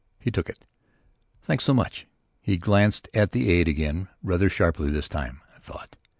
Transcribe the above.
He took it. "Thanks so much." He glanced at the aide again; rather sharply this time, I thought.